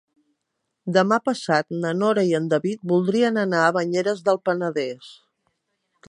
Demà passat na Nora i en David voldrien anar a Banyeres del Penedès.